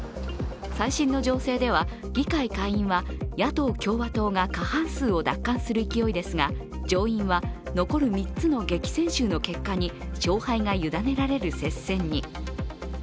最新の情勢では、議会下院は野党・共和党が過半数を奪還する勢いですが上院は残る３つの激戦州の結果に勝敗が委ねられる接戦に。